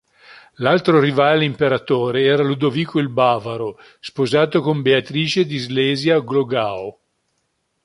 L'altro rivale imperatore era Ludovico il Bavaro, sposato con Beatrice di Slesia-Glogau.